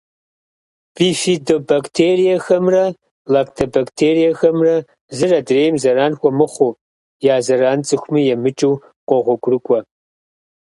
Бифидобактериехэмрэ лактобактериехэмрэ зыр адрейм зэран хуэмыхъуу, я зэран цӏыхуми емыкӏыу къогъуэгурыкӏуэ.